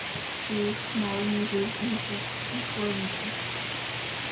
He put out work to small weavers, in effect, employing them.